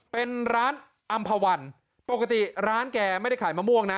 เป็นร้านอำภาวันปกติร้านแกไม่ได้ขายมะม่วงนะ